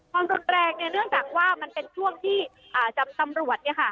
มนตรแรงเนี่ยเนื่องจากว่ามันเป็นช่วงที่อ่าจำตำรวจเนี่ยค่ะ